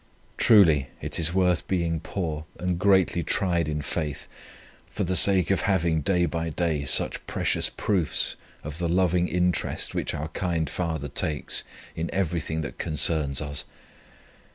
Truly, it is worth being poor and greatly tried in faith, for the sake of having day by day such precious proofs of the loving interest which our kind Father takes in everything that concerns us.